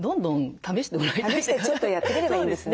試してちょっとやってみればいいんですね。